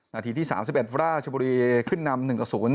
นาทีที่๓๑ราชบุรีขึ้นนำ๑ต่อ๐